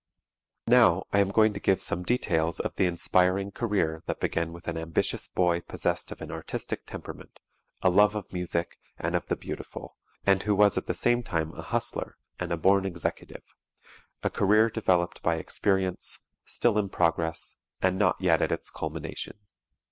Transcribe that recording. Now I am going to give some details of the inspiring career that began with an ambitious boy possessed of an artistic temperament, a love of music and of the beautiful, and who was at the same time a "hustler" and a born executive a career developed by experience, still in progress and not yet at its culmination.